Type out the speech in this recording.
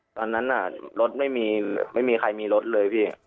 ตอนนั้นรถไม่มีใครมีรถเลยพี่